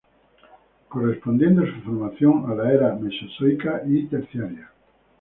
Correspondiendo su formación a la era Mesozoica y Terciaria.